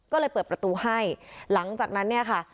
ก็เลยเปิดประตูให้หลังจากนั้นเนี่ยค่ะ